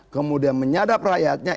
kemudian menyadap rakyatnya